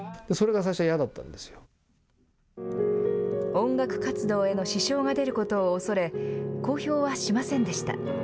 音楽活動への支障が出ることを恐れ公表はしませんでした。